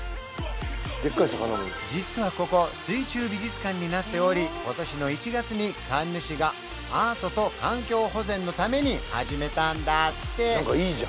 実はここ水中美術館になっており今年の１月にカンヌ市がアートと環境保全のために始めたんだって！